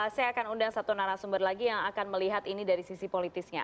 saya akan undang satu narasumber lagi yang akan melihat ini dari sisi politisnya